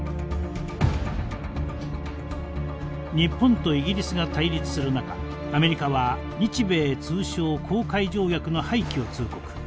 日本とイギリスが対立する中アメリカは日米通商航海条約の廃棄を通告。